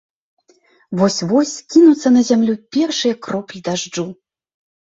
Вось-вось кінуцца на зямлю першыя кроплі дажджу.